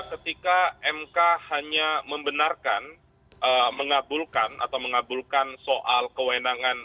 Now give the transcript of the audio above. ketika mk hanya membenarkan mengabulkan atau mengabulkan soal kewenangan